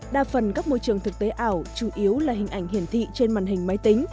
đa phần các môi trường thực tế ảo chủ yếu là hình ảnh hiển thị trên màn hình máy tính